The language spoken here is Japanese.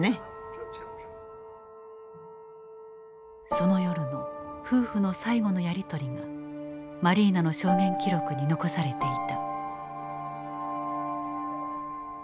その夜の夫婦の最後のやり取りがマリーナの証言記録に残されていた。